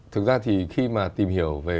thực ra thì khi mà tìm hiểu về